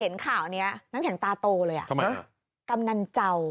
เห็นข่าวนี้น้ำแข็งตาโตเลยอ่ะทำไมกำนันเจ้า